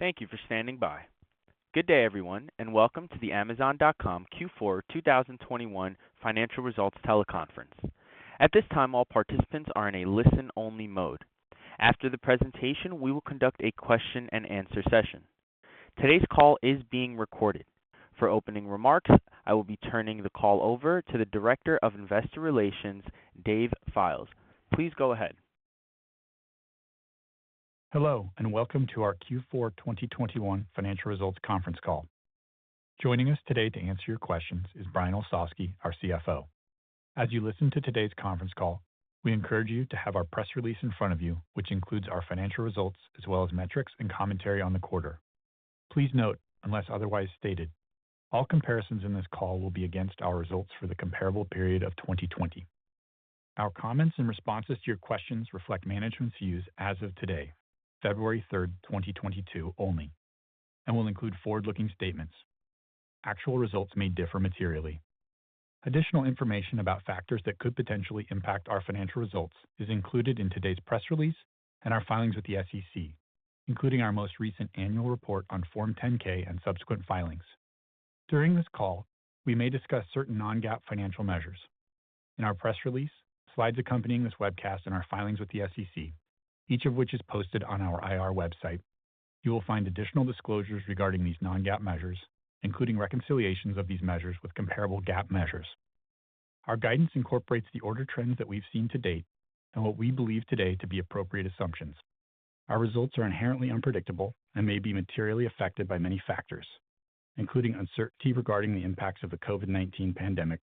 Thank you for standing by. Good day, everyone, and welcome to the Amazon.com Q4 2021 Financial Results Teleconference. At this time, all participants are in a listen-only mode. After the presentation, we will conduct a question-and-answer session. Today's call is being recorded. For opening remarks, I will be turning the call over to the Director of Investor Relations, Dave Fildes. Please go ahead. Hello, and welcome to our Q4 2021 financial results conference call. Joining us today to answer your questions is Brian Olsavsky, our CFO. As you listen to today's conference call, we encourage you to have our press release in front of you, which includes our financial results as well as metrics and commentary on the quarter. Please note, unless otherwise stated, all comparisons in this call will be against our results for the comparable period of 2020. Our comments and responses to your questions reflect management's views as of today, February 3, 2022 only, and will include forward-looking statements. Actual results may differ materially. Additional information about factors that could potentially impact our financial results is included in today's press release and our filings with the SEC, including our most recent annual report on Form 10-K and subsequent filings. During this call, we may discuss certain non-GAAP financial measures. In our press release, slides accompanying this webcast and our filings with the SEC, each of which is posted on our IR website, you will find additional disclosures regarding these non-GAAP measures, including reconciliations of these measures with comparable GAAP measures. Our guidance incorporates the order trends that we've seen to date and what we believe today to be appropriate assumptions. Our results are inherently unpredictable and may be materially affected by many factors, including uncertainty regarding the impacts of the COVID-19 pandemic,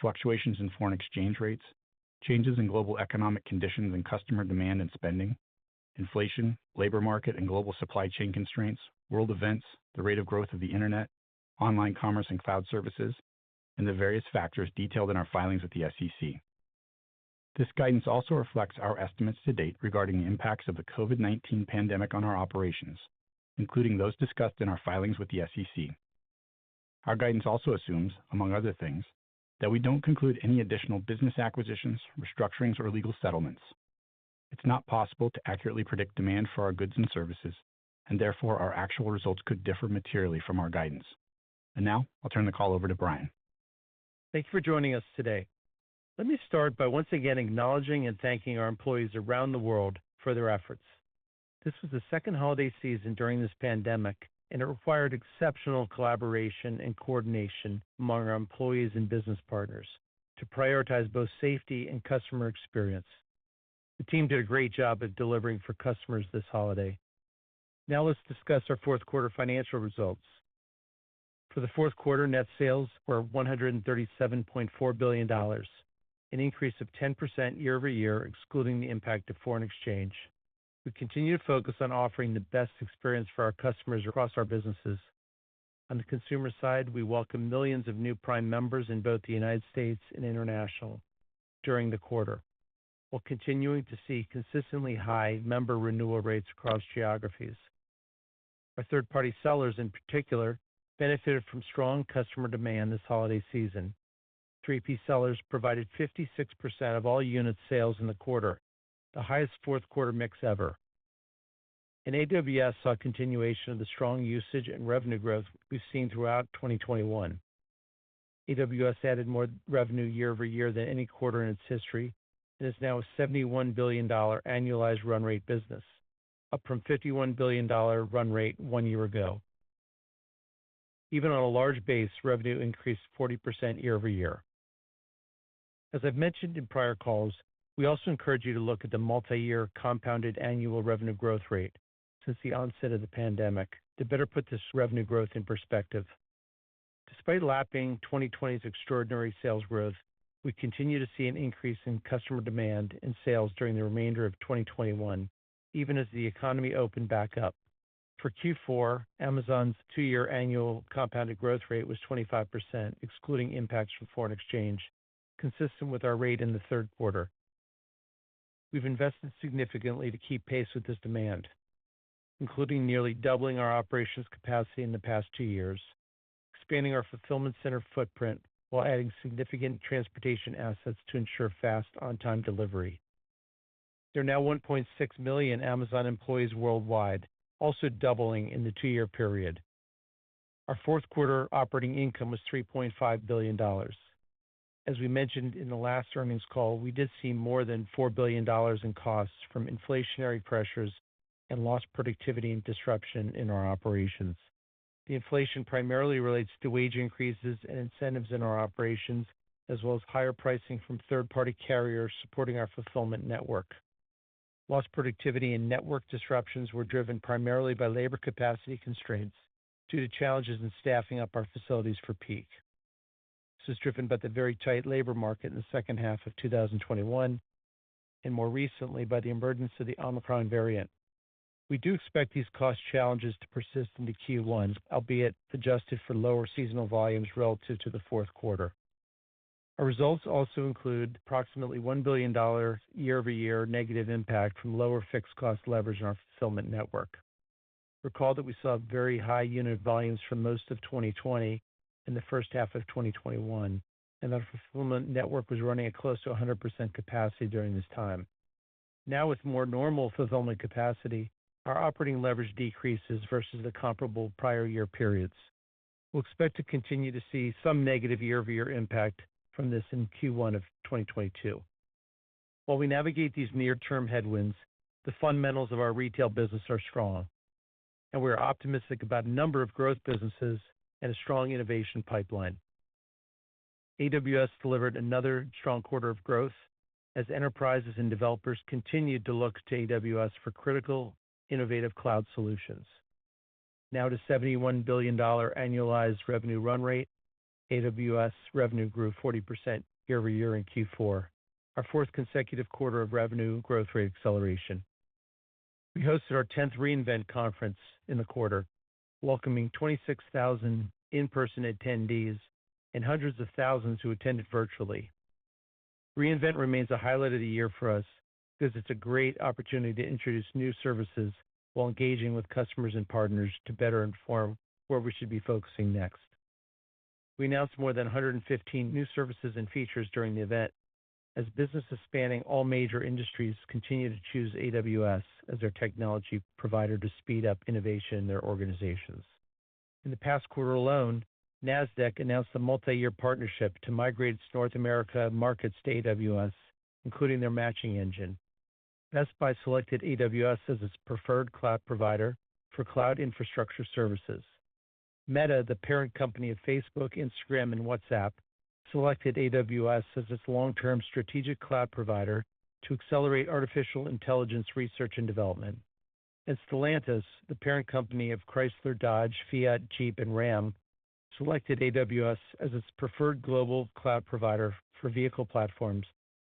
fluctuations in foreign exchange rates, changes in global economic conditions and customer demand and spending, inflation, labor market, and global supply chain constraints, world events, the rate of growth of the Internet, online commerce and cloud services, and the various factors detailed in our filings with the SEC. This guidance also reflects our estimates to date regarding the impacts of the COVID-19 pandemic on our operations, including those discussed in our filings with the SEC. Our guidance also assumes, among other things, that we don't conclude any additional business acquisitions, restructurings, or legal settlements. It's not possible to accurately predict demand for our goods and services, and therefore, our actual results could differ materially from our guidance. Now, I'll turn the call over to Brian. Thank you for joining us today. Let me start by once again acknowledging and thanking our employees around the world for their efforts. This was the second holiday season during this pandemic, and it required exceptional collaboration and coordination among our employees and business partners to prioritize both safety and customer experience. The team did a great job at delivering for customers this holiday. Now let's discuss our fourth quarter financial results. For the fourth quarter, net sales were $137.4 billion, an increase of 10% year-over-year, excluding the impact of foreign exchange. We continue to focus on offering the best experience for our customers across our businesses. On the consumer side, we welcome millions of new Prime members in both the United States and International during the quarter, while continuing to see consistently high member renewal rates across geographies. Our third-party sellers, in particular, benefited from strong customer demand this holiday season. Third-party sellers provided 56% of all unit sales in the quarter, the highest fourth quarter mix ever. AWS saw a continuation of the strong usage and revenue growth we've seen throughout 2021. AWS added more revenue year-over-year than any quarter in its history, and is now a $71 billion annualized run rate business, up from $51 billion run rate one year ago. Even on a large base, revenue increased 40% year-over-year. As I've mentioned in prior calls, we also encourage you to look at the multi-year compounded annual revenue growth rate since the onset of the pandemic to better put this revenue growth in perspective. Despite lapping 2020's extraordinary sales growth, we continue to see an increase in customer demand and sales during the remainder of 2021, even as the economy opened back up. For Q4, Amazon's two-year annual compounded growth rate was 25%, excluding impacts from foreign exchange, consistent with our rate in the third quarter. We've invested significantly to keep pace with this demand, including nearly doubling our operations capacity in the past two years, expanding our fulfillment center footprint while adding significant transportation assets to ensure fast on-time delivery. There are now 1.6 million Amazon employees worldwide, also doubling in the two-year period. Our fourth quarter operating income was $3.5 billion. As we mentioned in the last earnings call, we did see more than $4 billion in costs from inflationary pressures and lost productivity and disruption in our operations. The inflation primarily relates to wage increases and incentives in our operations, as well as higher pricing from third-party carriers supporting our fulfillment network. Lost productivity and network disruptions were driven primarily by labor capacity constraints due to challenges in staffing up our facilities for peak. This is driven by the very tight labor market in the second half of 2021, and more recently by the emergence of the Omicron variant. We do expect these cost challenges to persist into Q1, albeit adjusted for lower seasonal volumes relative to the fourth quarter. Our results also include approximately $1 billion year-over-year negative impact from lower fixed cost leverage in our fulfillment network. Recall that we saw very high unit volumes for most of 2020. In the first half of 2021, and our fulfillment network was running at close to 100% capacity during this time. Now, with more normal fulfillment capacity, our operating leverage decreases versus the comparable prior year periods. We'll expect to continue to see some negative year-over-year impact from this in Q1 of 2022. While we navigate these near-term headwinds, the fundamentals of our retail business are strong, and we are optimistic about a number of growth businesses and a strong innovation pipeline. AWS delivered another strong quarter of growth as enterprises and developers continued to look to AWS for critical, innovative cloud solutions. Now to $71 billion annualized revenue run rate, AWS revenue grew 40% year-over-year in Q4, our fourth consecutive quarter of revenue growth rate acceleration. We hosted our tenth re:Invent conference in the quarter, welcoming 26,000 in-person attendees and hundreds of thousands who attended virtually. re:Invent remains a highlight of the year for us because it's a great opportunity to introduce new services while engaging with customers and partners to better inform where we should be focusing next. We announced more than 115 new services and features during the event as businesses spanning all major industries continue to choose AWS as their technology provider to speed up innovation in their organizations. In the past quarter alone, Nasdaq announced a multi-year partnership to migrate its North America markets to AWS, including their matching engine. Best Buy selected AWS as its preferred cloud provider for cloud infrastructure services. Meta, the parent company of Facebook, Instagram, and WhatsApp, selected AWS as its long-term strategic cloud provider to accelerate artificial intelligence research and development. Stellantis, the parent company of Chrysler, Dodge, Fiat, Jeep, and Ram, selected AWS as its preferred global cloud provider for vehicle platforms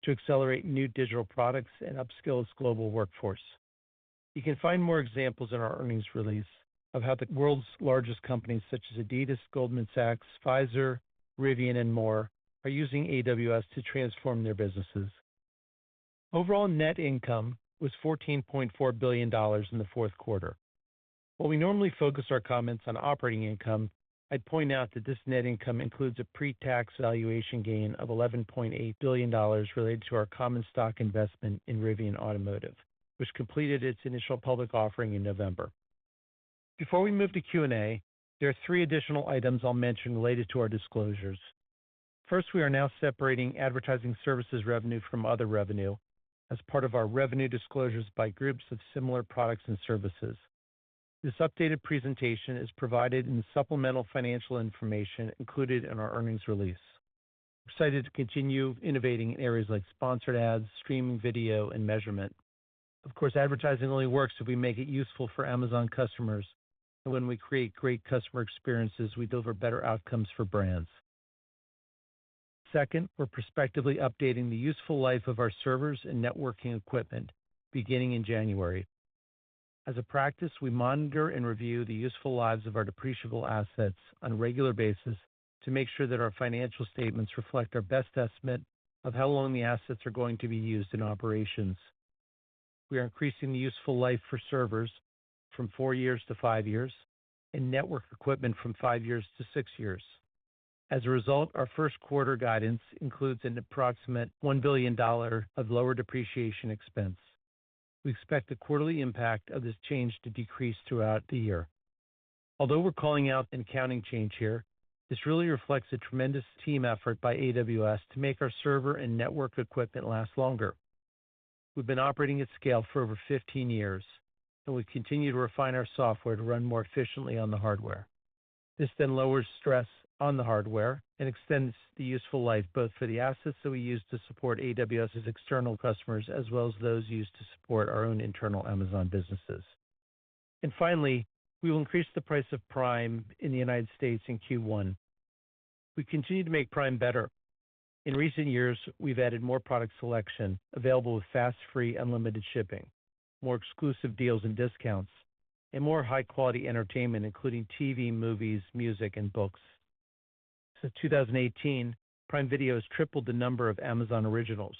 to accelerate new digital products and upskill its global workforce. You can find more examples in our earnings release of how the world's largest companies, such as Adidas, Goldman Sachs, Pfizer, Rivian, and more, are using AWS to transform their businesses. Overall net income was $14.4 billion in the fourth quarter. While we normally focus our comments on operating income, I'd point out that this net income includes a pre-tax valuation gain of $11.8 billion related to our common stock investment in Rivian Automotive, which completed its initial public offering in November. Before we move to Q&A, there are three additional items I'll mention related to our disclosures. First, we are now separating advertising services revenue from other revenue as part of our revenue disclosures by groups of similar products and services. This updated presentation is provided in supplemental financial information included in our earnings release. We're excited to continue innovating in areas like sponsored ads, streaming video, and measurement. Of course, advertising only works if we make it useful for Amazon customers. When we create great customer experiences, we deliver better outcomes for brands. Second, we're prospectively updating the useful life of our servers and networking equipment beginning in January. As a practice, we monitor and review the useful lives of our depreciable assets on a regular basis to make sure that our financial statements reflect our best estimate of how long the assets are going to be used in operations. We are increasing the useful life for servers from four years to five years and network equipment from five years to six years. As a result, our first quarter guidance includes an approximate $1 billion of lower depreciation expense. We expect the quarterly impact of this change to decrease throughout the year. Although we're calling out an accounting change here, this really reflects a tremendous team effort by AWS to make our server and network equipment last longer. We've been operating at scale for over 15 years, and we continue to refine our software to run more efficiently on the hardware. This then lowers stress on the hardware and extends the useful life, both for the assets that we use to support AWS's external customers, as well as those used to support our own internal Amazon businesses. Finally, we will increase the price of Prime in the United States in Q1. We continue to make Prime better. In recent years, we've added more product selection available with fast, free, unlimited shipping, more exclusive deals and discounts, and more high-quality entertainment, including TV, movies, music, and books. Since 2018, Prime Video has tripled the number of Amazon originals.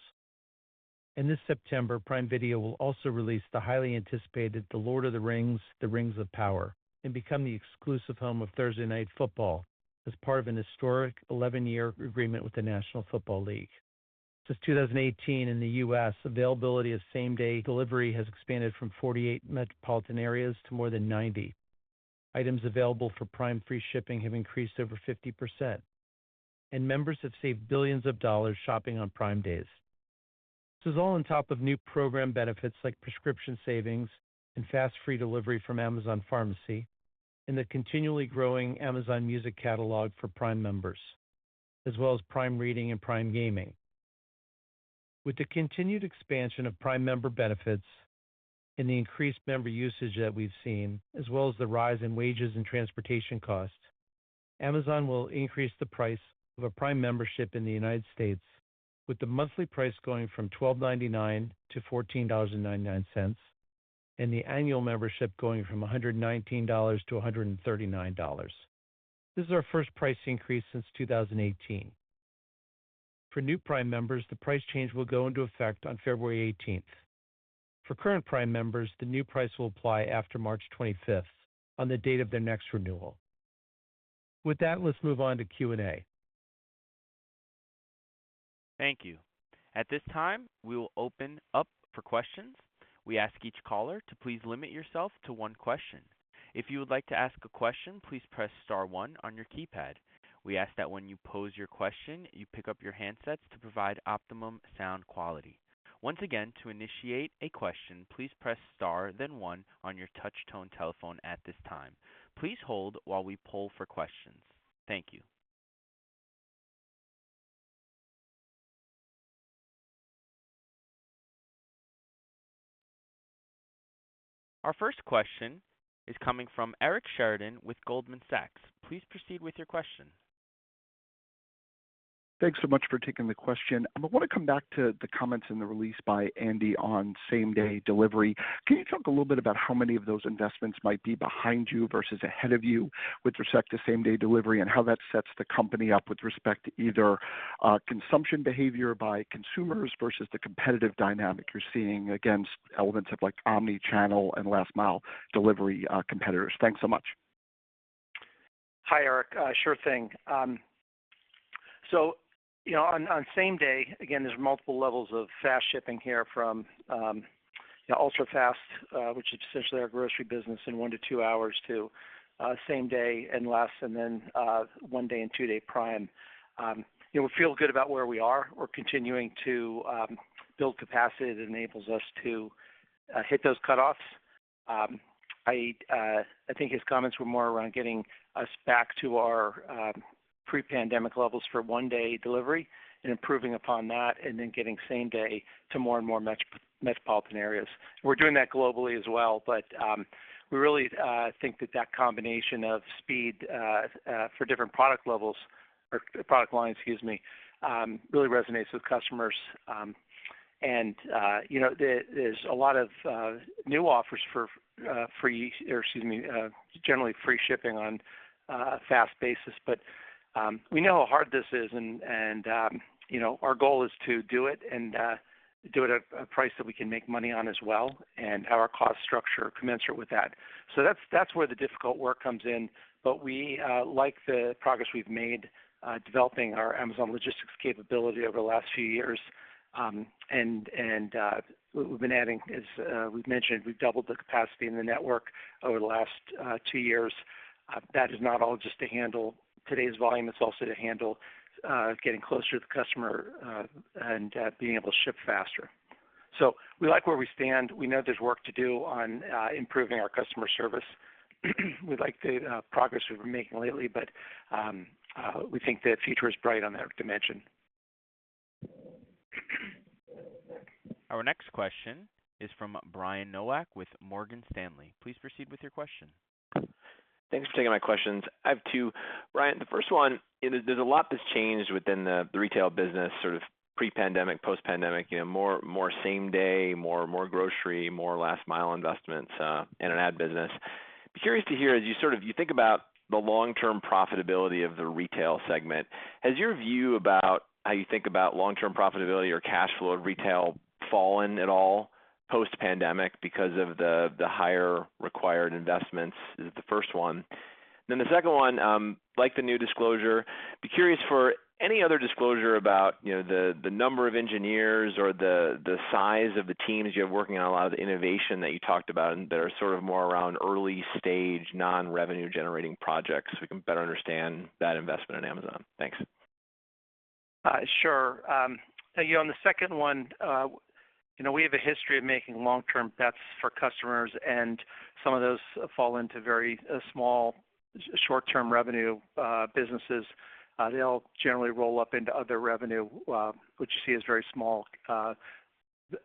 This September, Prime Video will also release the highly anticipated The Lord of the Rings: The Rings of Power and become the exclusive home of Thursday Night Football as part of an historic 11-year agreement with the National Football League. Since 2018 in the U.S., availability of same-day delivery has expanded from 48 metropolitan areas to more than 90. Items available for Prime free shipping have increased over 50%, and members have saved $ billions shopping on Prime Days. This is all on top of new program benefits like prescription savings and fast free delivery from Amazon Pharmacy and the continually growing Amazon Music catalog for Prime members, as well as Prime Reading and Prime Gaming. With the continued expansion of Prime member benefits and the increased member usage that we've seen, as well as the rise in wages and transportation costs, Amazon will increase the price of a Prime membership in the United States, with the monthly price going from $12.99-$14.99, and the annual membership going from $119-$139. This is our first price increase since 2018. For new Prime members, the price change will go into effect on February eighteenth. For current Prime members, the new price will apply after March twenty-fifth on the date of their next renewal. With that, let's move on to Q&A. Thank you. At this time, we will open up for questions. We ask each caller to please limit yourself to one question. If you would like to ask a question, please press star one on your keypad. We ask that when you pose your question, you pick up your handsets to provide optimum sound quality. Once again, to initiate a question, please press star, then one on your touch-tone telephone at this time. Please hold while we poll for questions. Thank you. Our first question is coming from Eric Sheridan with Goldman Sachs. Please proceed with your question. Thanks so much for taking the question. I want to come back to the comments in the release by Andy on same-day delivery. Can you talk a little bit about how many of those investments might be behind you versus ahead of you with respect to same-day delivery and how that sets the company up with respect to either, consumption behavior by consumers versus the competitive dynamic you're seeing against elements of like omni-channel and last mile delivery, competitors? Thanks so much. Hi, Eric. Sure thing. So, you know, on same day, again, there's multiple levels of fast shipping here from, you know, ultra-fast, which is essentially our grocery business in one to two hours to same day and then one day and two-day Prime. You know, we feel good about where we are. We're continuing to build capacity that enables us to hit those cutoffs. I think his comments were more around getting us back to our pre-pandemic levels for one-day delivery and improving upon that and then getting same day to more and more metropolitan areas. We're doing that globally as well, but we really think that combination of speed for different product levels or product lines, excuse me, really resonates with customers. You know, there's a lot of new offers for free, or excuse me, generally free shipping on a fast basis. We know how hard this is and you know, our goal is to do it and do it at a price that we can make money on as well and have our cost structure commensurate with that. That's where the difficult work comes in. We like the progress we've made developing our Amazon Logistics capability over the last few years. We've been adding, as we've mentioned, we've doubled the capacity in the network over the last two years. That is not all just to handle today's volume, it's also to handle getting closer to the customer and being able to ship faster. We like where we stand. We know there's work to do on improving our customer service. We like the progress we've been making lately, but we think the future is bright on that dimension. Our next question is from Brian Nowak with Morgan Stanley. Please proceed with your question. Thanks for taking my questions. I have two. Brian, the first one, you know, there's a lot that's changed within the retail business, sort of pre-pandemic, post-pandemic, you know, more same day, more grocery, more last mile investments, and an ad business. I'd be curious to hear as you sort of think about the long-term profitability of the retail segment. Has your view about how you think about long-term profitability or cash flow of retail fallen at all post-pandemic because of the higher required investments? Is the first one. The second one, like the new disclosure, I'd be curious for any other disclosure about, you know, the number of engineers or the size of the teams you have working on a lot of the innovation that you talked about and that are sort of more around early-stage, non-revenue generating projects, we can better understand that investment in Amazon. Thanks. Sure. You know, on the second one, you know, we have a history of making long-term bets for customers, and some of those fall into very small short-term revenue businesses. They all generally roll up into other revenue, which you see is very small,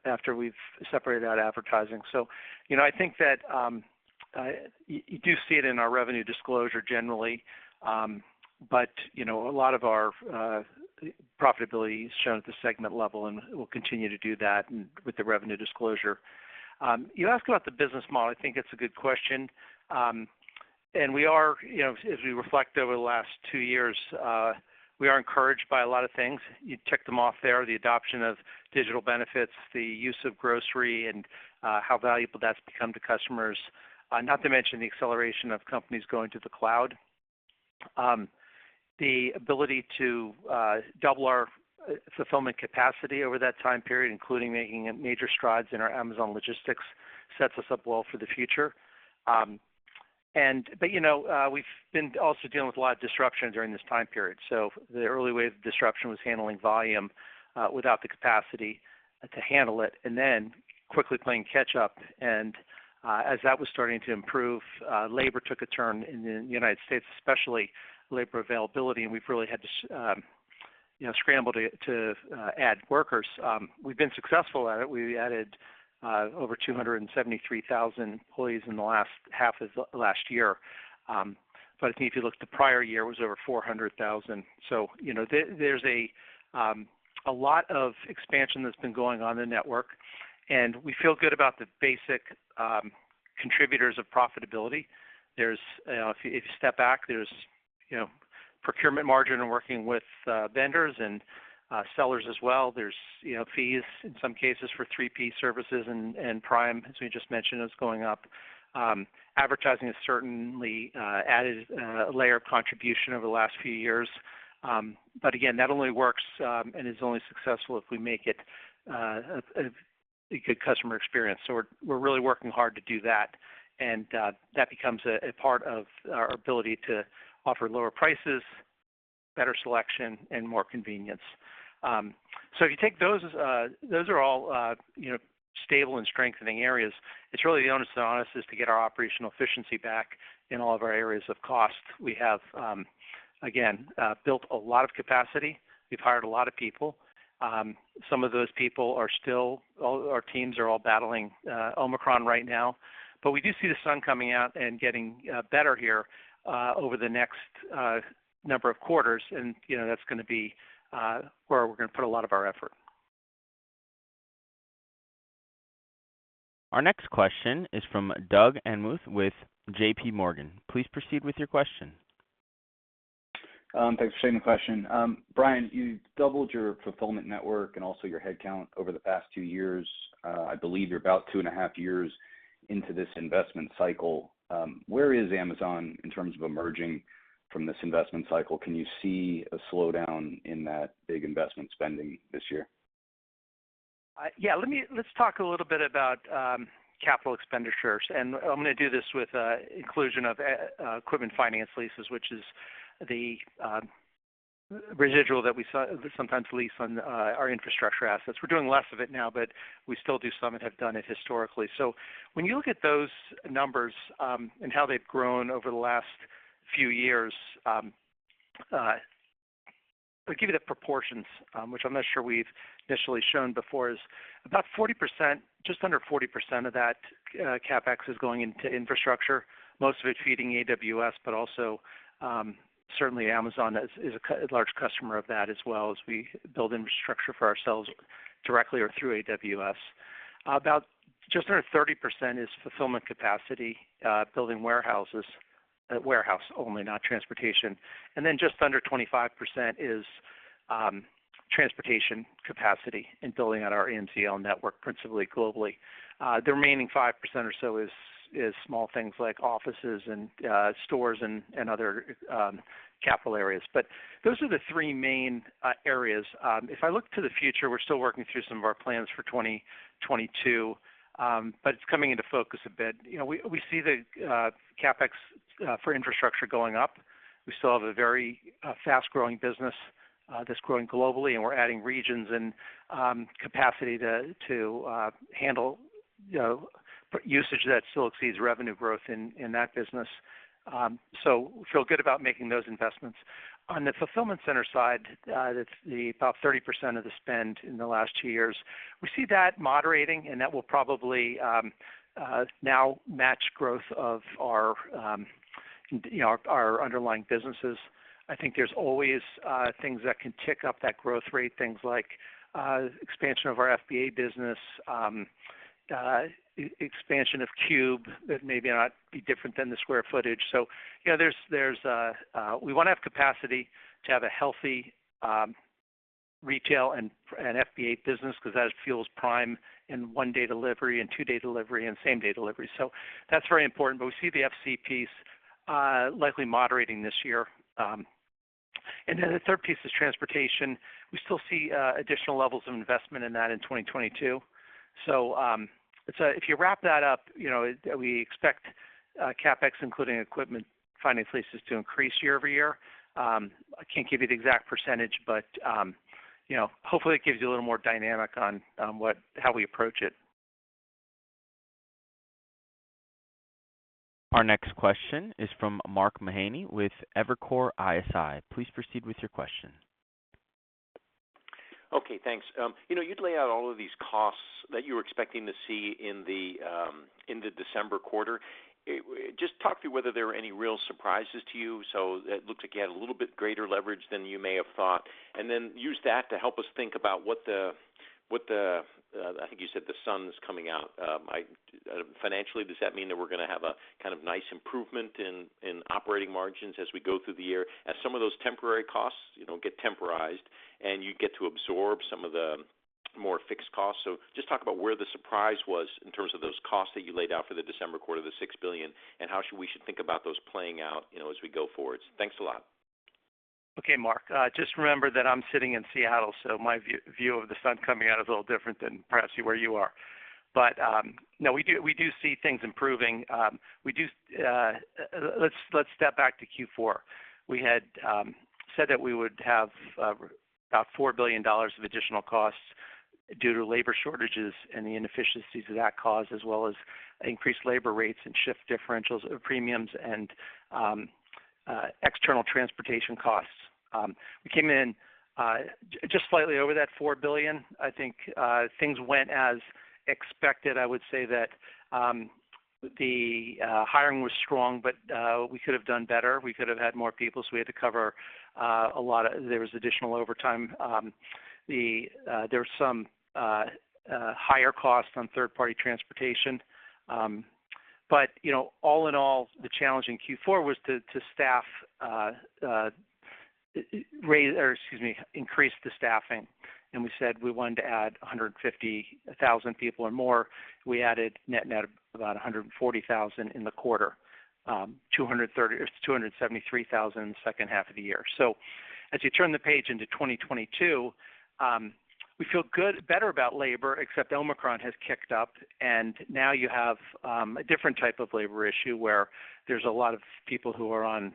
after we've separated out advertising. You know, I think that you do see it in our revenue disclosure generally. You know, a lot of our profitability is shown at the segment level, and we'll continue to do that with the revenue disclosure. You ask about the business model. I think it's a good question. We are, you know, as we reflect over the last two years, we are encouraged by a lot of things. You check them off there, the adoption of digital benefits, the use of grocery and how valuable that's become to customers. Not to mention the acceleration of companies going to the cloud. The ability to double our fulfillment capacity over that time period, including making major strides in our Amazon Logistics, sets us up well for the future. You know, we've been also dealing with a lot of disruption during this time period. The early wave disruption was handling volume without the capacity to handle it, and then quickly playing catch up. As that was starting to improve, labor took a turn in the United States, especially labor availability, and we've really had to you know, scramble to add workers. We've been successful at it. We added over 273,000 employees in the last half of last year. If you look, the prior year was over 400,000. You know, there's a lot of expansion that's been going on in the network, and we feel good about the basic contributors of profitability. If you step back, there's you know, procurement margin and working with vendors and sellers as well. There's you know, fees in some cases for 3P services and Prime, as we just mentioned, is going up. Advertising has certainly added a layer of contribution over the last few years. Again, that only works and is only successful if we make it a good customer experience. We're really working hard to do that. That becomes a part of our ability to offer lower prices, better selection, and more convenience. If you take those are all, you know, stable and strengthening areas. It's really the onus on us to get our operational efficiency back in all of our areas of cost. We have, again, built a lot of capacity. We've hired a lot of people. Some of those people are still battling Omicron right now. All our teams are battling Omicron right now. We do see the sun coming out and getting better here over the next number of quarters. You know, that's gonna be where we're gonna put a lot of our effort. Our next question is from Doug Anmuth with JPMorgan. Please proceed with your question. Thanks for taking the question. Brian, you doubled your fulfillment network and also your headcount over the past two years. I believe you're about two and a half years into this investment cycle. Where is Amazon in terms of emerging from this investment cycle? Can you see a slowdown in that big investment spending this year? Let's talk a little bit about capital expenditures. I'm gonna do this with inclusion of equipment finance leases, which is the residual that we sometimes lease on our infrastructure assets. We're doing less of it now, but we still do some and have done it historically. When you look at those numbers and how they've grown over the last few years, I'll give you the proportions, which I'm not sure we've initially shown before, is about 40%, just under 40% of that CapEx is going into infrastructure, most of it feeding AWS, but also certainly Amazon is a huge customer of that as well as we build infrastructure for ourselves directly or through AWS. About just under 30% is fulfillment capacity, building warehouses. Warehouse only, not transportation. Just under 25% is transportation capacity and building out our NCL network, principally globally. The remaining 5% or so is small things like offices and stores and other capital areas. Those are the three main areas. If I look to the future, we're still working through some of our plans for 2022, but it's coming into focus a bit. We see the CapEx for infrastructure going up. We still have a very fast-growing business that's growing globally, and we're adding regions and capacity to handle usage that still exceeds revenue growth in that business. We feel good about making those investments. On the fulfillment center side, that's about 30% of the spend in the last two years. We see that moderating, and that will probably now match growth of our, you know, our underlying businesses. I think there's always things that can tick up that growth rate, things like expansion of our FBA business, expansion of Cube. That may not be different than the square footage. You know, we wanna have capacity to have a healthy retail and FBA business because that fuels Prime and one day delivery, and two day delivery, and same-day delivery. That's very important. We see the FC piece likely moderating this year. And then the third piece is transportation. We still see additional levels of investment in that in 2022. if you wrap that up, you know, we expect CapEx, including equipment finance leases, to increase year-over-year. I can't give you the exact percentage, but, you know, hopefully it gives you a little more dynamic on how we approach it. Our next question is from Mark Mahaney with Evercore ISI. Please proceed with your question. Okay, thanks. You know, you'd lay out all of these costs that you were expecting to see in the December quarter. Just talk through whether there were any real surprises to you. It looks like you had a little bit greater leverage than you may have thought. Then use that to help us think about what the I think you said the sun's coming out. Financially, does that mean that we're gonna have a kind of nice improvement in operating margins as we go through the year as some of those temporary costs, you know, get temporized and you get to absorb some of the more fixed costs? Just talk about where the surprise was in terms of those costs that you laid out for the December quarter, the $6 billion, and how we should think about those playing out, you know, as we go forward. Thanks a lot. Okay, Mark. Just remember that I'm sitting in Seattle, so my view of the sun coming out is a little different than perhaps where you are. No, we do see things improving. We do. Let's step back to Q4. We had said that we would have about $4 billion of additional costs due to labor shortages and the inefficiencies that caused, as well as increased labor rates and shift differentials, premiums and external transportation costs. We came in just slightly over that $4 billion. I think things went as expected. I would say that the hiring was strong, but we could have done better. We could have had more people, so we had to cover a lot. There was additional overtime. There were some higher costs on third-party transportation. You know, all in all, the challenge in Q4 was to staff or excuse me, increase the staffing. We said we wanted to add 150,000 people or more. We added net-net about 140,000 in the quarter, 230,000 or 273,000 H2 of the year. As you turn the page into 2022, we feel better about labor, except Omicron has kicked up and now you have a different type of labor issue where there's a lot of people who are on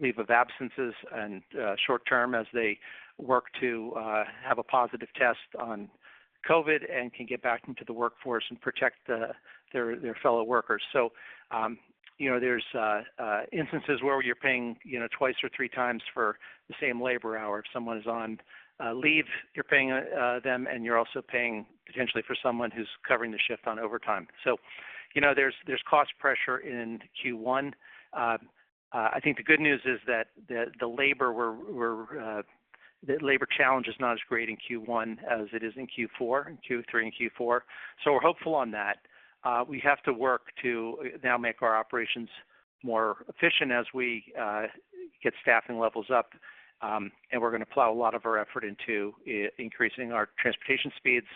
leave of absences and short-term as they work to have a positive test on COVID and can get back into the workforce and protect their fellow workers. You know, there's instances where you're paying you know twice or three times for the same labor hour. If someone is on leave, you're paying them, and you're also paying potentially for someone who's covering the shift on overtime. You know, there's cost pressure in Q1. I think the good news is that the labor challenge is not as great in Q1 as it is in Q4, in Q3 and Q4. We're hopeful on that. We have to work to now make our operations more efficient as we get staffing levels up. We're gonna plow a lot of our effort into increasing our transportation speeds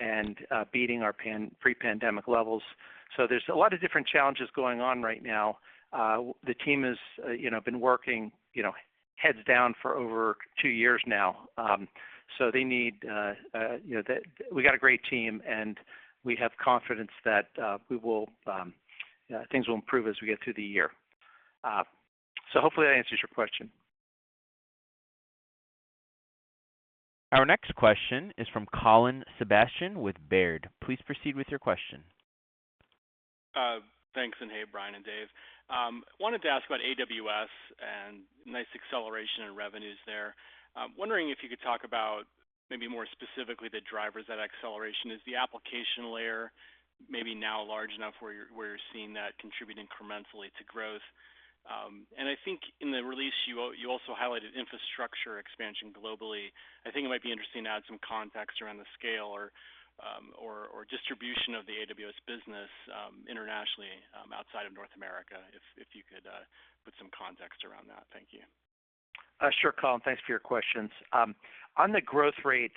and beating our pre-pandemic levels. There's a lot of different challenges going on right now. The team has, you know, been working, you know, heads down for over two years now. They need you know. We got a great team, and we have confidence that things will improve as we get through the year. Hopefully that answers your question. Our next question is from Colin Sebastian with Baird. Please proceed with your question. Thanks. Hey, Brian and Dave. Wanted to ask about AWS and the nice acceleration in revenues there. Wondering if you could talk about maybe more specifically the drivers of that acceleration. Is the application layer maybe now large enough where you're seeing that contribute incrementally to growth? I think in the release you also highlighted infrastructure expansion globally. I think it might be interesting to add some context around the scale or distribution of the AWS business internationally outside of North America, if you could put some context around that. Thank you. Sure, Colin. Thanks for your questions. On the growth rate,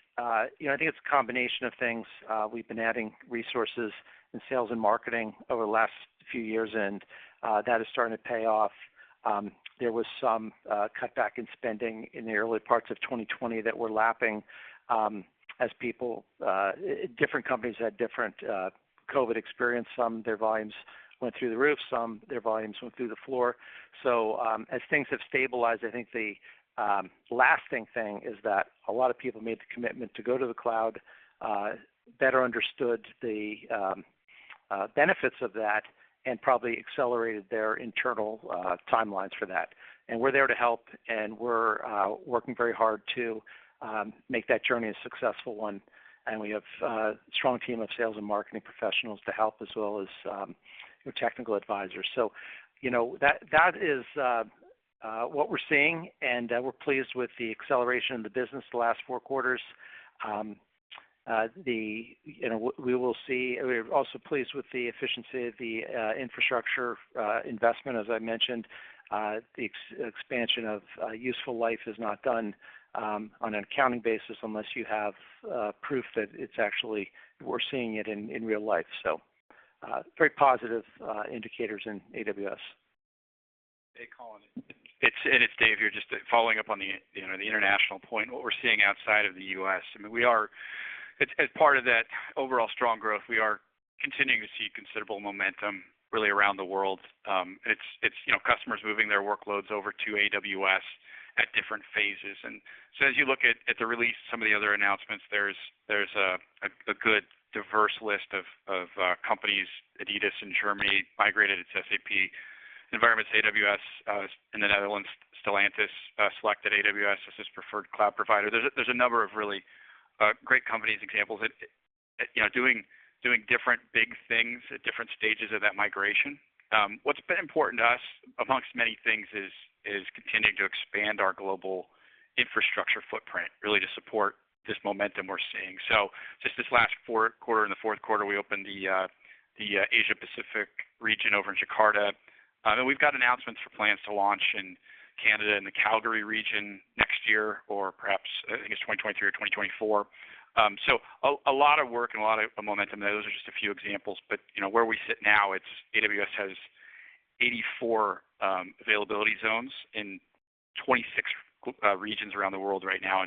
you know, I think it's a combination of things. We've been adding resources in sales and marketing over the last few years, and that is starting to pay off. There was some cutback in spending in the early parts of 2020 that we're lapping, as people, different companies had different COVID experience. Some, their volumes went through the roof, some their volumes went through the floor. As things have stabilized, I think the lasting thing is that a lot of people made the commitment to go to the cloud, better understood the benefits of that, and probably accelerated their internal timelines for that. We're there to help, and we're working very hard to make that journey a successful one. We have a strong team of sales and marketing professionals to help as well as technical advisors. You know, that is what we're seeing, and we're pleased with the acceleration of the business the last four quarters. You know, we will see. We're also pleased with the efficiency of the infrastructure investment. As I mentioned, the expansion of useful life is not done on an accounting basis unless you have proof that it's actually we're seeing it in real life. Very positive indicators in AWS. Hey, Colin. It's Dave here. Just following up on the international point, what we're seeing outside of the U.S. I mean, as part of that overall strong growth, we are continuing to see considerable momentum really around the world. It's you know, customers moving their workloads over to AWS at different phases. As you look at the release, some of the other announcements, there's a good diverse list of companies. Adidas in Germany migrated its SAP environments to AWS. In the Netherlands, Stellantis selected AWS as its preferred cloud provider. There's a number of really great companies, examples of you know, doing different big things at different stages of that migration. What's been important to us, among many things, is continuing to expand our global infrastructure footprint really to support this momentum we're seeing. Just this last fourth quarter, in the fourth quarter, we opened the Asia Pacific region over in Jakarta. Then we've got announcements for plans to launch in Canada in the Calgary region next year or perhaps I think it's 2023 or 2024. A lot of work and a lot of momentum there. Those are just a few examples. You know, where we sit now, it's AWS has 84 availability zones in 26 regions around the world right now.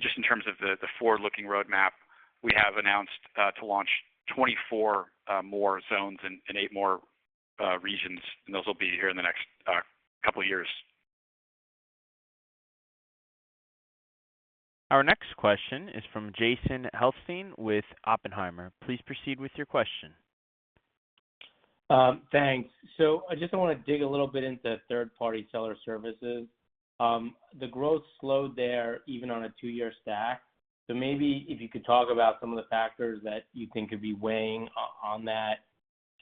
Just in terms of the forward-looking roadmap, we have announced to launch 24 more zones and eight more regions, and those will be here in the next couple years. Our next question is from Jason Helfstein with Oppenheimer. Please proceed with your question. Thanks. I just want to dig a little bit into third-party seller services. The growth slowed there even on a two-year stack. Maybe if you could talk about some of the factors that you think could be weighing on that.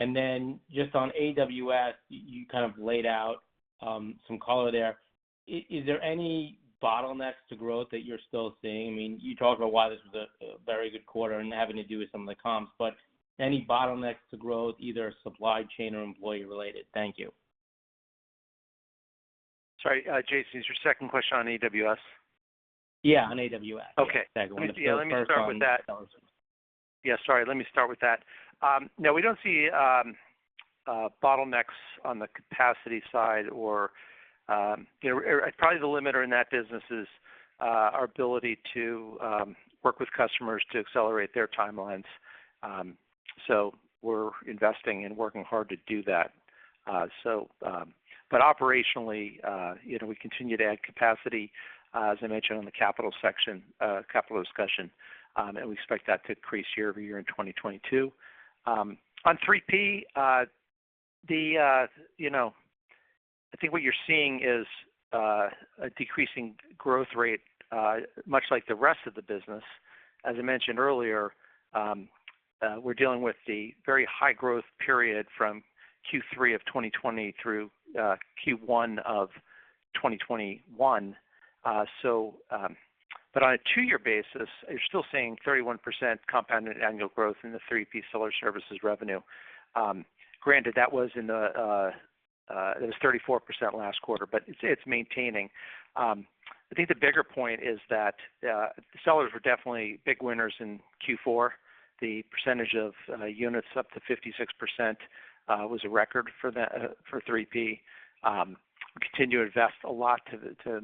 Then just on AWS, you kind of laid out some color there. Is there any bottlenecks to growth that you're still seeing? I mean, you talk about why this was a very good quarter and having to do with some of the comps, but any bottlenecks to growth, either supply chain or employee-related? Thank you. Sorry, Jason, is your second question on AWS? Yeah, on AWS. Sorry. Let me start with that. No, we don't see bottlenecks on the capacity side or, you know, probably the limiter in that business is our ability to work with customers to accelerate their timelines. We're investing and working hard to do that. Operationally, you know, we continue to add capacity, as I mentioned on the capital discussion, and we expect that to increase year-over year in 2022. On 3P, you know, I think what you're seeing is a decreasing growth rate, much like the rest of the business. As I mentioned earlier, we're dealing with the very high growth period from Q3 of 2020 through Q1 of 2021. On a two-year basis, you're still seeing 31% compounded annual growth in the 3P seller services revenue. Granted, that was 34% last quarter, but it's maintaining. I think the bigger point is that the sellers were definitely big winners in Q4. The percentage of units up to 56% was a record for 3P. We continue to invest a lot to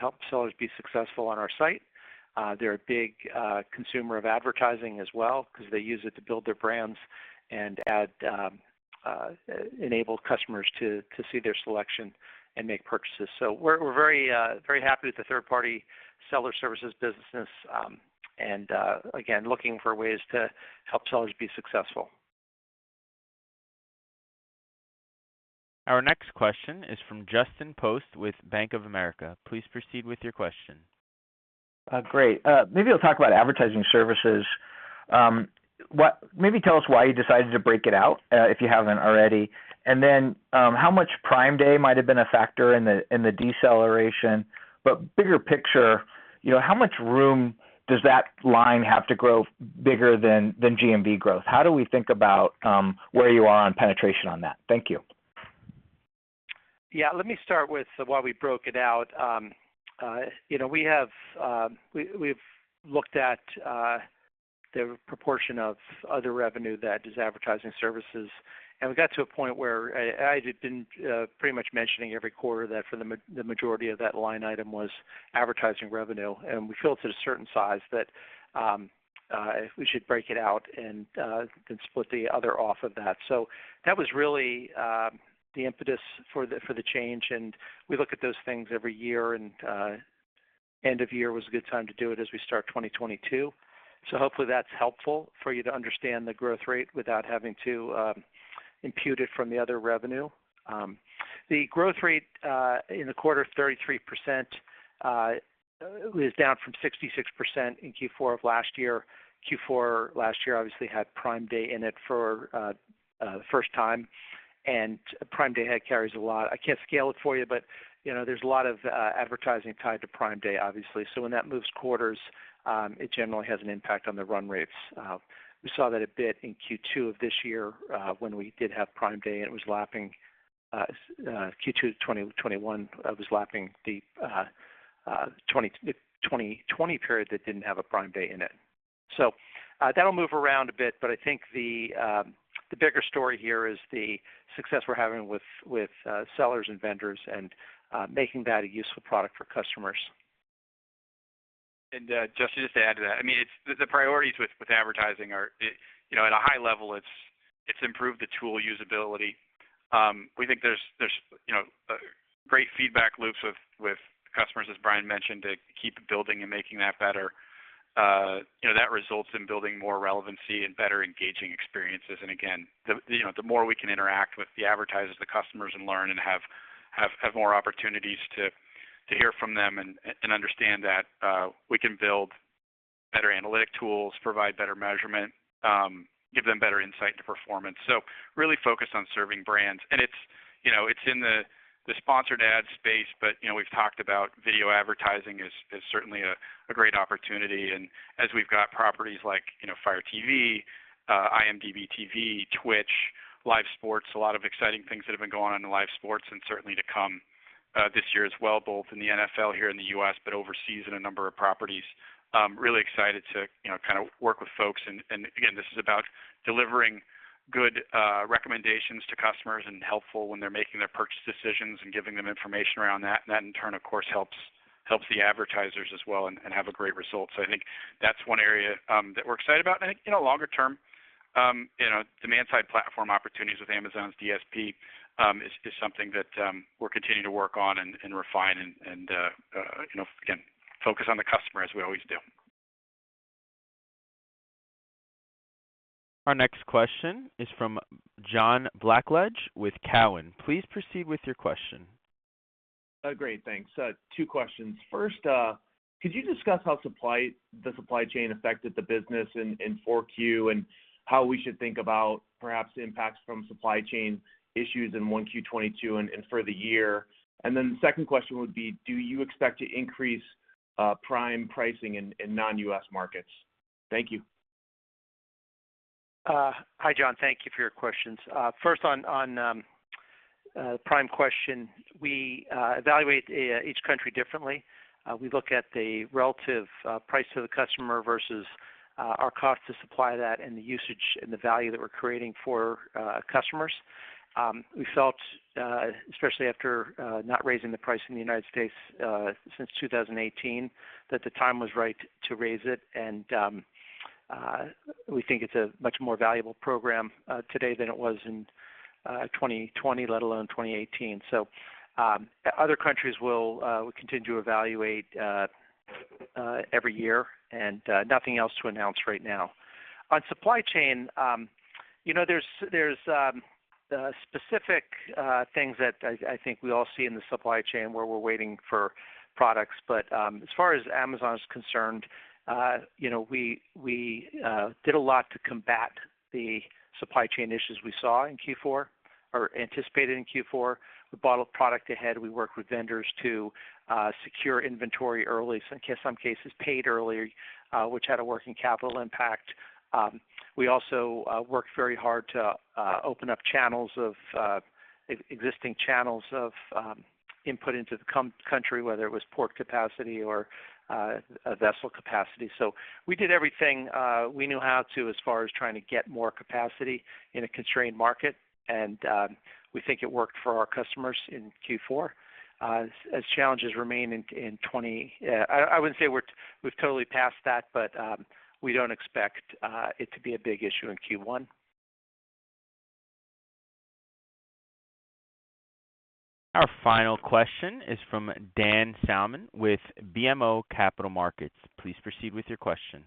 help sellers be successful on our site. They're a big consumer of advertising as well 'cause they use it to build their brands and enable customers to see their selection and make purchases. We're very happy with the third-party seller services business, and again, looking for ways to help sellers be successful. Our next question is from Justin Post with Bank of America. Please proceed with your question. Great. Maybe I'll talk about advertising services. Maybe tell us why you decided to break it out, if you haven't already. How much Prime Day might have been a factor in the deceleration, but bigger picture, you know, how much room does that line have to grow bigger than GMV growth? How do we think about where you are on penetration on that? Thank you. Yeah. Let me start with why we broke it out. You know, we've looked at the proportion of other revenue that is advertising services, and we got to a point where I had been pretty much mentioning every quarter that the majority of that line item was advertising revenue, and we felt at a certain size that we should break it out and then split the other off of that. That was really the impetus for the change, and we look at those things every year, and end of year was a good time to do it as we start 2022. Hopefully that's helpful for you to understand the growth rate without having to impute it from the other revenue. The growth rate in the quarter of 33% is down from 66% in Q4 of last year. Q4 last year obviously had Prime Day in it for the first time, and Prime Day carries a lot. I can't scale it for you, but you know, there's a lot of advertising tied to Prime Day, obviously. When that moves quarters, it generally has an impact on the run rates. We saw that a bit in Q2 of this year when we did have Prime Day, and it was lapping Q2 of 2021, which was lapping the 2020 period that didn't have a Prime Day in it. That'll move around a bit, but I think the bigger story here is the success we're having with sellers and vendors and making that a useful product for customers. Justin, just to add to that, I mean, the priorities with advertising are, you know, at a high level it's improved the tool usability. We think there's, you know, great feedback loops with customers, as Brian mentioned, to keep building and making that better. You know, that results in building more relevancy and better engaging experiences. Again, you know, the more we can interact with the advertisers, the customers, and learn and have more opportunities to hear from them and understand that, we can build better analytic tools, provide better measurement, give them better insight into performance. Really focused on serving brands. It's, you know, in the sponsored ad space, but, you know, we've talked about video advertising is certainly a great opportunity. As we've got properties like, you know, Fire TV, IMDb TV, Twitch, live sports, a lot of exciting things that have been going on in live sports and certainly to come, this year as well, both in the NFL here in the U.S., but overseas in a number of properties. Really excited to, you know, kind of work with folks. And again, this is about delivering good recommendations to customers and helpful when they're making their purchase decisions and giving them information around that. That in turn, of course, helps the advertisers as well and have a great result. I think that's one area that we're excited about. I think, you know, longer term, you know, demand side platform opportunities with Amazon's DSP is something that we're continuing to work on and refine and, you know, again, focus on the customer as we always do. Our next question is from John Blackledge with Cowen. Please proceed with your question. Great. Thanks. Two questions. First, Could you discuss how the supply chain affected the business in Q4, and how we should think about perhaps the impacts from supply chain issues in 1Q 2022 and for the year? The second question would be: do you expect to increase Prime pricing in non-U.S. markets? Thank you. Hi John, thank you for your questions. First on Prime question. We evaluate each country differently. We look at the relative price to the customer versus our cost to supply that and the usage and the value that we're creating for customers. We felt especially after not raising the price in the United States since 2018, that the time was right to raise it. We think it's a much more valuable program today than it was in 2020, let alone 2018. We continue to evaluate other countries every year, and nothing else to announce right now. On supply chain, you know, there are specific things that I think we all see in the supply chain where we're waiting for products. As far as Amazon is concerned, you know, we did a lot to combat the supply chain issues we saw in Q4 or anticipated in Q4. We bought product ahead, we worked with vendors to secure inventory early, so in some cases paid early, which had a working capital impact. We also worked very hard to open up existing channels of input into the country, whether it was port capacity or a vessel capacity. We did everything we knew how to as far as trying to get more capacity in a constrained market, and we think it worked for our customers in Q4. As challenges remain, I wouldn't say we've totally passed that, but we don't expect it to be a big issue in Q1. Our final question is from Dan Salmon with BMO Capital Markets. Please proceed with your question.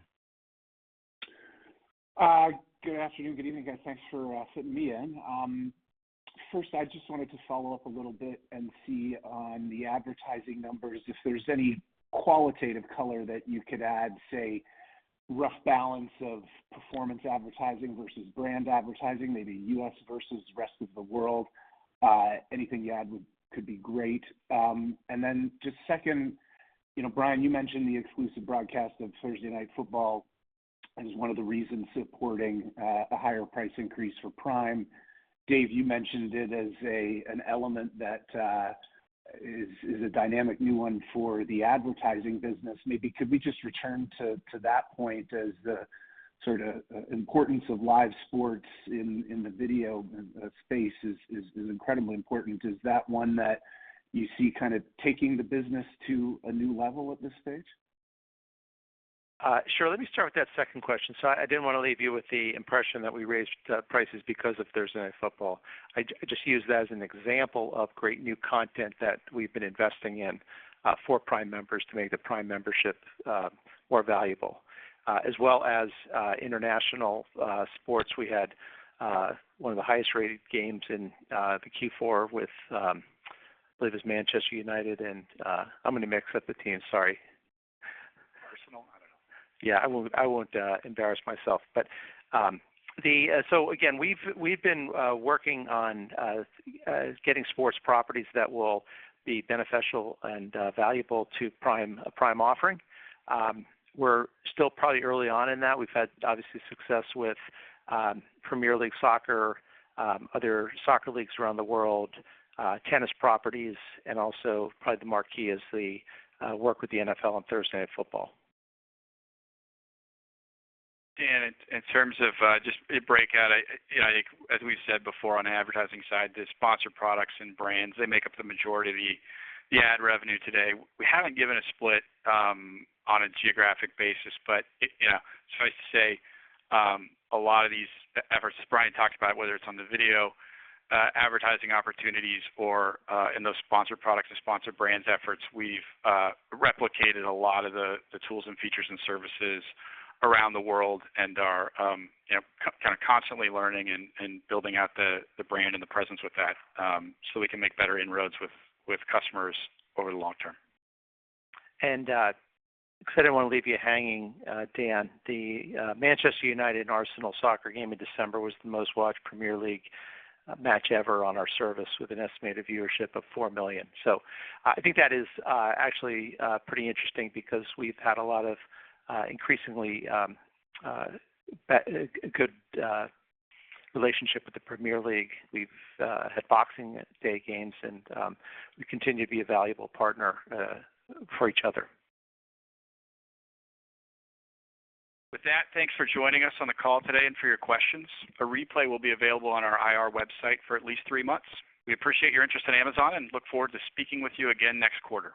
Good afternoon, good evening, guys. Thanks for fitting me in. First I just wanted to follow up a little bit and see on the advertising numbers, if there's any qualitative color that you could add, say, rough balance of performance advertising versus brand advertising, maybe U.S. versus rest of the world. Anything you add would could be great. Just second, you know, Brian, you mentioned the exclusive broadcast of Thursday Night Football as one of the reasons supporting a higher price increase for Prime. Dave Fildes, you mentioned it as an element that is a dynamic new one for the advertising business. Maybe could we just return to that point as the sort of importance of live sports in the video space is incredibly important. Is that one that you see kind of taking the business to a new level at this stage? Sure. Let me start with that second question. I didn't wanna leave you with the impression that we raised prices because of Thursday Night Football. I just used that as an example of great new content that we've been investing in for Prime members to make the Prime membership more valuable, as well as international sports. We had one of the highest rated games in the Q4 with, I believe it was Manchester United and, I'm gonna mix up the teams, sorry. Arsenal? I don't know. I won't embarrass myself. Again, we've been working on getting sports properties that will be beneficial and valuable to Prime offering. We're still probably early on in that. We've had, obviously, success with Premier League soccer, other soccer leagues around the world, tennis properties, and also probably the marquee is the work with the NFL on Thursday Night Football. Dan, in terms of just a breakout, you know, I think as we've said before on advertising side, the sponsored products and brands, they make up the majority of the ad revenue today. We haven't given a split on a geographic basis, but you know, suffice to say, a lot of these efforts, as Brian talked about, whether it's on the video advertising opportunities or in those sponsored products and sponsored brands efforts, we've replicated a lot of the tools and features and services around the world and are, you know, kind of constantly learning and building out the brand and the presence with that, so we can make better inroads with customers over the long term. 'Cause I didn't wanna leave you hanging, Dan, the Manchester United and Arsenal soccer game in December was the most watched Premier League match ever on our service with an estimated viewership of 4 million. I think that is actually pretty interesting because we've had a lot of increasingly good relationship with the Premier League. We've had Boxing Day games and we continue to be a valuable partner for each other. With that, thanks for joining us on the call today and for your questions. A replay will be available on our IR website for at least three months. We appreciate your interest in Amazon and look forward to speaking with you again next quarter.